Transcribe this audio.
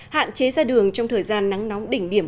hạn chế ra đường trong thời gian nắng nóng đỉnh điểm